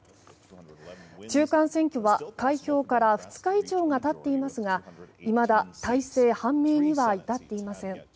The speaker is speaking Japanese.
中間選挙は開票から２日以上が経っていますがいまだ大勢判明には至っていません。